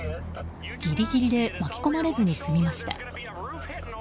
ギリギリで巻き込まれずに済みました。